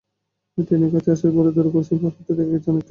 Train কাছে আসার পরেও দৌড়ে ক্রসিং পার হতে দেখা গেছে অনেককে।